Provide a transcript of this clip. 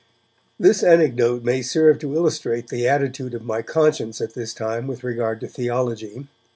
This anecdote may serve to illustrate the attitude of my conscience, at this time, with regard to theology.